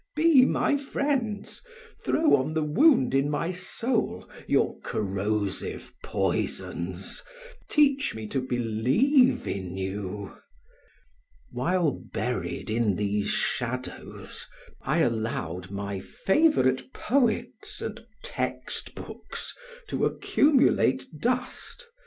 Be my friends, throw on the wound in my soul your corrosive poisons, teach me to believe in you." While buried in these shadows I allowed my favorite poets and text books to accumulate dust.